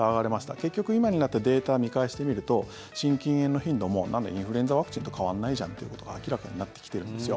結局、今になってデータを見返してみると心筋炎の頻度もなんだインフルエンザワクチンと変わらないじゃんということが明らかになってきてるんですよ。